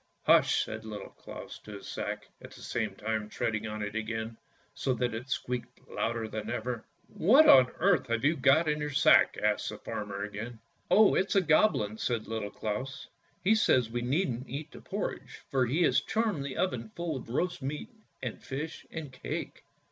"Hush! " said Little Claus to his sack, at the same time treading on it again, so that it squeaked louder than ever. "What on earth have you go in your sack? " asked the farmer again. " Oh, it's a Goblin," said Little Claus; " he says we needn't eat the porridge, for he has charmed the oven full of roast meat and fish and cake."